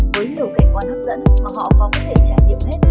với nhiều cảnh quan hấp dẫn mà họ khó có thể trải nghiệm hết